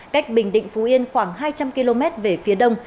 cách bình định phú yên khoảng hai trăm linh km về phía đông